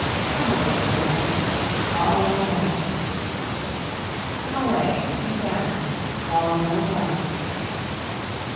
Come away, children, call no more! Come away, come down, call no more!